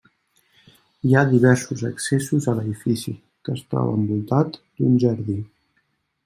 Hi ha diversos accessos a l'edifici, que es troba envoltat d'un jardí.